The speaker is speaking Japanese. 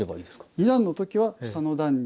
２段のときは下の段に。